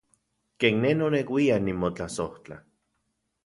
Ken ne noneuian nimotlasojtla.